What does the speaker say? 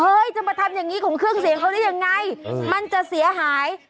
จะมาทำอย่างนี้ของเครื่องเสียงเขาได้ยังไงมันจะเสียหาย